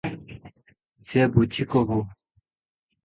ସେ ବୁଝି କହୁ ।